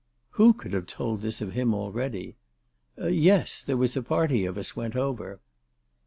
Who could have told this of him already ?" Yes ; there was a party of us went over."